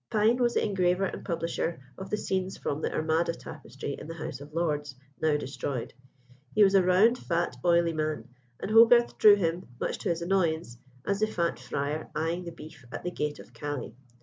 Pine was the engraver and publisher of the scenes from the Armada tapestry in the House of Lords, now destroyed. He was a round, fat, oily man; and Hogarth drew him, much to his annoyance, as the fat friar eyeing the beef at the "Gate of Calais."